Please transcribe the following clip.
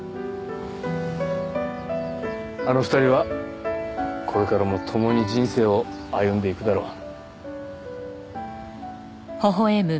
あの２人はこれからも共に人生を歩んでいくだろう。